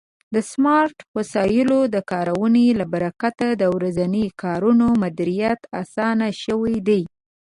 د سمارټ وسایلو د کارونې له برکت د ورځني کارونو مدیریت آسانه شوی دی.